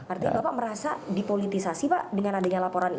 artinya bapak merasa dipolitisasi pak dengan adanya laporan ini